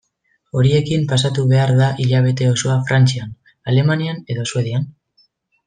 Horiekin pasatu behar da hilabete osoa Frantzian, Alemanian edo Suedian?